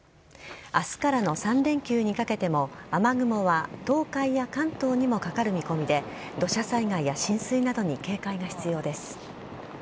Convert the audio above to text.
明日からの３連休にかけても雨雲は東海や関東にもかかる見込みで土砂災害や浸水などに警戒が必要です。